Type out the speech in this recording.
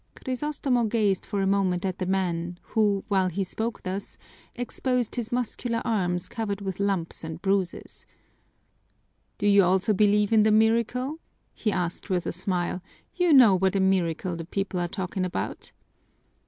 Crisostomo gazed for a moment at the man, who, while he spoke thus, exposed his muscular arms covered with lumps and bruises. "Do you also believe in the miracle?" he asked with a smile. "You know what a miracle the people are talking about."